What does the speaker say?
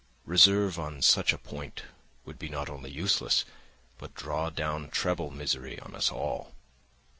Reserve on such a point would be not only useless, but draw down treble misery on us all."